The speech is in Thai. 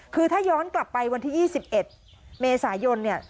คือถ้าย้อนกลับไปวันที่๒๑เมษายนเนี่ย